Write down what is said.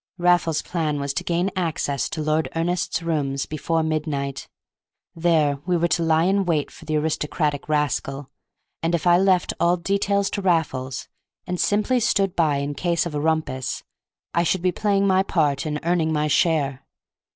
Raffles's plan was to gain access to Lord Ernest's rooms before midnight; there we were to lie in wait for the aristocratic rascal, and if I left all details to Raffles, and simply stood by in case of a rumpus, I should be playing my part and earning my share.